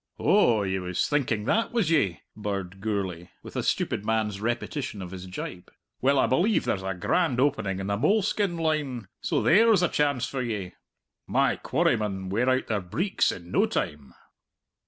"Oh, ye was thinking that, was ye?" birred Gourlay, with a stupid man's repetition of his jibe. "Well, I believe there's a grand opening in the moleskin line, so there's a chance for ye. My quarrymen wear out their breeks in no time."